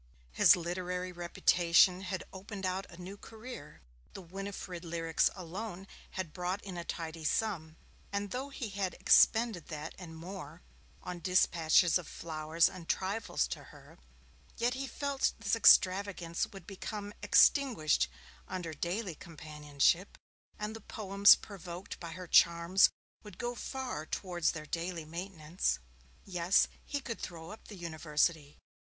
His literary reputation had opened out a new career. The Winifred lyrics alone had brought in a tidy sum, and though he had expended that and more on despatches of flowers and trifles to her, yet he felt this extravagance would become extinguished under daily companionship, and the poems provoked by her charms would go far towards their daily maintenance. Yes, he could throw up the University.